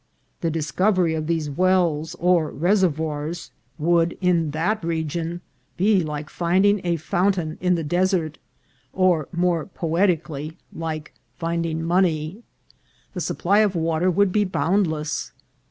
The discovery of these wells or reservoirs would, 428 INCIDENTS OF TRAVEL. in that region, be like finding a fountain in the desert, or, more poetically, like finding money. The supply of water would be boundless.